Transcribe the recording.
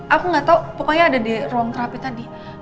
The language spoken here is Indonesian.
aku gak tau pokoknya ada di ruang terapi tadi